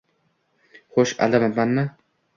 Xo`sh, aldamabdimi